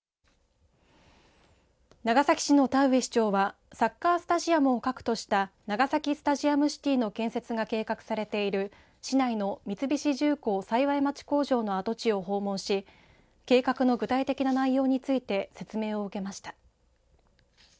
長崎市の田辺市長はサッカーんスタジアムを核とした長崎スタジアムシティの建設が計画されている市内の三菱重工・幸町工場の跡地を訪問し計画の具体的な内容について説明を受けました。